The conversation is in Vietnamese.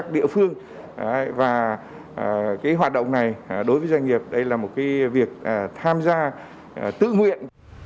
đối với doanh nghiệp đây là một việc tham gia tư nguyện